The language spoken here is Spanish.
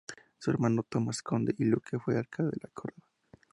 Su hermano, Tomás Conde y Luque, fue alcalde de Córdoba.